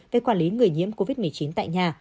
về quản lý người nhiễm covid một mươi chín tại nhà